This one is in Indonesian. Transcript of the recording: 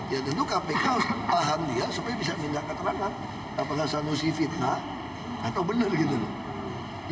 ya tentu kpk harus paham dia supaya bisa minta keterangan apakah sanusi fitnah atau benar gitu loh